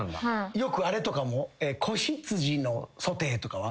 よくあれとかも？